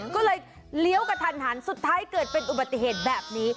ก็เลยเลี้ยวกระทันหันสุดท้ายเกิดเป็นอุบัติเหตุแบบนี้